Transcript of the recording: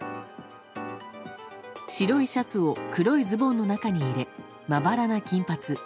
白いシャツを黒いズボンの中に入れまばらな金髪。